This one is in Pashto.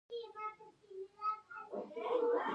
هغه هغې ته د امید سترګو کې صادقانه لید وکړ.